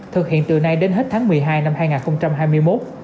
thực hiện từ nay đến hết tháng một mươi hai năm hai nghìn hai mươi một